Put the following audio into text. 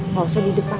gak usah di depan